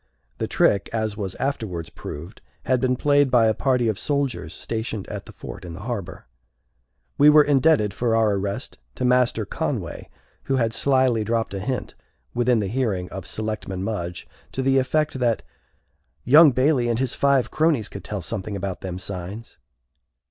The trick, as was afterwards proved, had been played by a party of soldiers stationed at the fort in the harbor. We were indebted for our arrest to Master Conway, who had slyly dropped a hint, within the hearing of Selectman Mudge, to the effect that "young Bailey and his five cronies could tell something about them signs."